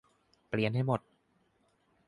เปลี่ยนให้หมด